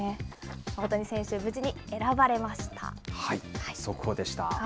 大谷選手、無事に選ばれました。